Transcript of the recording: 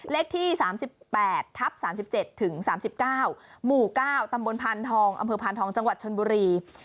เลขที่๓๘ทับ๓๗ถึง๓๙หมู่๙ตำบลพานทองอำเภอพานทองจังหวัดชนบุรี